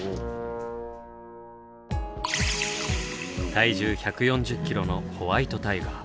体重１４０キロのホワイトタイガー。